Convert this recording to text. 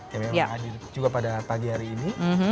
yang memang hadir juga pada pagi hari ini